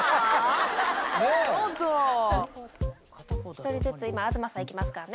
１人ずつ今東さん行きますからね。